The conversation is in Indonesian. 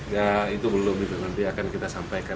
ya itu belum itu nanti akan kita sampaikan